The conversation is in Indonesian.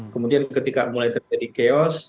kemudian ketika mulai terjadi chaos